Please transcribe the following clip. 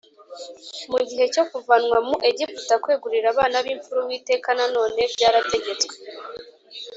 Mu gihe cyo kuvanwa mu Egiputa, kwegurira abana b’imfura Uwiteka na none byarategetswe